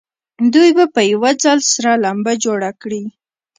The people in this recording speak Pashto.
دوی به په یوه ځل سره لمبه جوړه کړي.